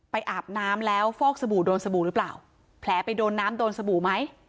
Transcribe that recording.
อาบน้ำแล้วฟอกสบู่โดนสบู่หรือเปล่าแผลไปโดนน้ำโดนสบู่ไหม